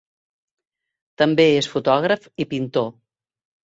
També és fotògraf i pintor.